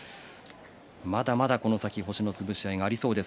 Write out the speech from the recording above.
まだまだこの先星の潰し合いがありそうです。